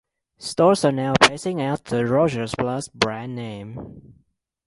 Stores are now phasing out the Rogers Plus brand name.